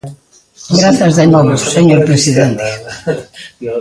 Grazas de novo, señor presidente.